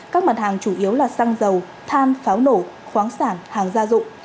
các mặt hàng chủ yếu là xăng dầu than pháo nổ khoáng sản hàng gia dụng